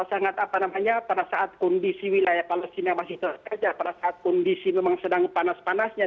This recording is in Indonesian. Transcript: sangat apa namanya pada saat kondisi wilayah palestina masih terpecah pada saat kondisi memang sedang panas panasnya